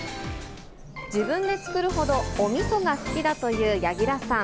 自分で作るほどおみそが好きだという柳楽さん。